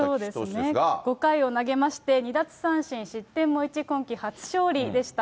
そうですね、５回を投げまして２奪三振、失点も１、今季初勝利でした。